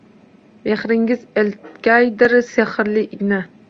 Mehringiz eltgaydir sehrli igna.